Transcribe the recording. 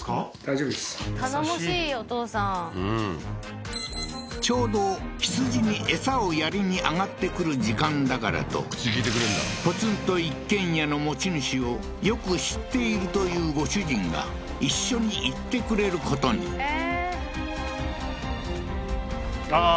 頼もしいお父さんうんちょうど羊に餌をやりに上がってくる時間だからとポツンと一軒家の持ち主をよく知っているというご主人が一緒に行ってくれることにええー